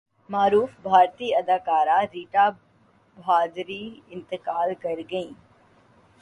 معروف بھارتی اداکارہ ریٹا بہادری انتقال کرگئیں